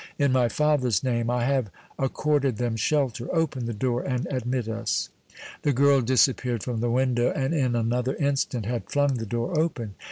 In my father's name I have accorded them shelter. Open the door and admit us." The girl disappeared from the window and in another instant had flung the door open.